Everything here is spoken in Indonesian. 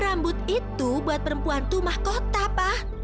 rambut itu buat perempuan tumah kota pak